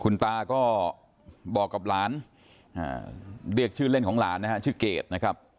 คุณตาก็บอกกับหลานเรียกชื่อเล่นของหลานนะฮะชื่อเกดนะครับ